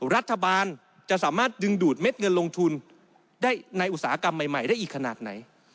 รัฐบาลจะสามารถดึงดูดเม็ดเงินลงทุนได้ในอุตสาหกรรมใหม่ได้อีกขนาดไหน